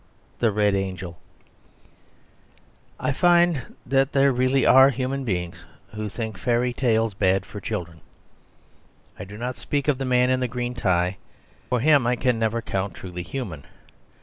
The Red Angel I find that there really are human beings who think fairy tales bad for children. I do not speak of the man in the green tie, for him I can never count truly human.